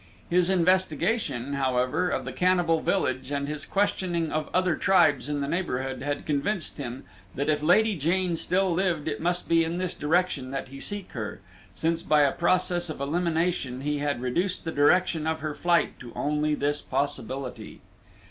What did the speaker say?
His investigation, however, of the cannibal village and his questioning of other tribes in the neighborhood had convinced him that if Lady Jane still lived it must be in this direction that he seek her, since by a process of elimination he had reduced the direction of her flight to only this possibility.